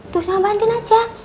tunggu sama mbak andin aja